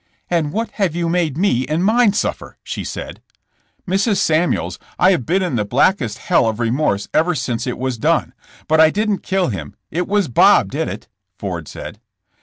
'' And what have you made me and mine suffer ?'' she said. "Mrs. Samuels, I have been in the blackest hell of remorse ever since it was done. But I didn't kill him. It was Bob did it," Ford said.